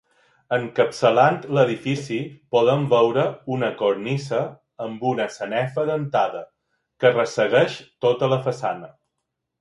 Encapçalant l'edifici podem veure una cornisa amb una sanefa dentada que ressegueix tota la façana.